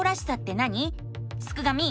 すくがミ！